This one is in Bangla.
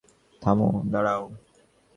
থামো, দাঁড়াও।